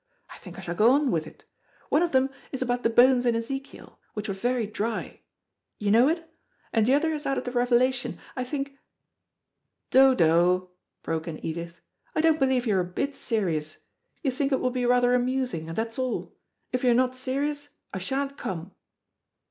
I think I shall go on with it. One of them is about the bones in Ezekiel, which were very dry you know it and the other is out of the Revelation. I think " "Dodo," broke in Edith, "I don't believe you're a bit serious. You think it will be rather amusing, and that's all. If you're not serious I sha'n't come."